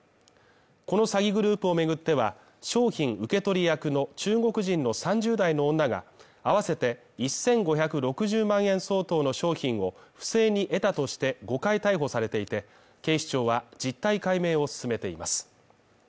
この詐欺グループを巡っては、商品受け取り役の中国人の３０代の女が合わせて１５６０万円相当の商品を不正に得たとして、５回逮捕されていて、警視庁は実態解明を進めています。